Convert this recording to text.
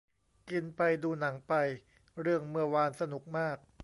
กินไปดูหนังไป เรื่องเมื่อวานสนุกมาก